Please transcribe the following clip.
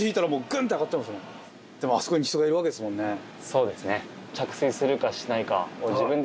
そうですね。